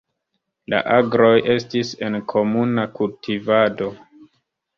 La agroj estis en komuna kultivado.